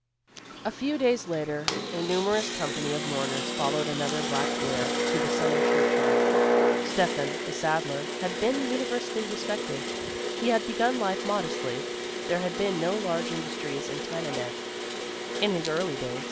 A few days later a numerous company of mourners followed another black bier to the sunny church yard. Steffan, the saddler, had been universally respected. He had begun life modestly; there had been no large industries in Tannenegg in his early days.